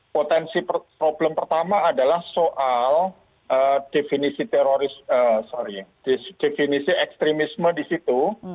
potensi problem pertama adalah soal definisi ekstremisme di situ